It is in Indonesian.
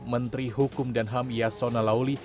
menteri hukum dan ham yasona lauli